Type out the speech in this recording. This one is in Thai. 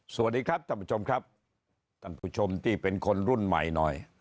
สวัสดีครับท่านผู้ชมครับท่านผู้ชมที่เป็นคนรุ่นใหม่หน่อย